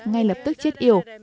ngay lập tức chết yểu